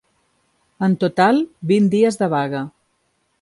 En total, vint dies de vaga.